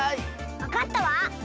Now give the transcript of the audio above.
わかったわ！